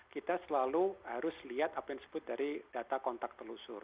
kita selalu harus lihat apa yang disebut dari data kontak telusur